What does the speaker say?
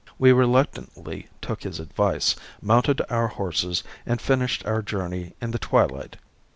We reluctantly took his advice, mounted our horses and finished our journey in the twilight.